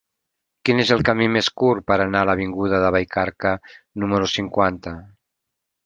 Quin és el camí més curt per anar a l'avinguda de Vallcarca número cinquanta?